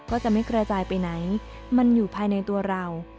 ก็จะไม่กระจายไปไหนมันอยู่ภายในตัวเรา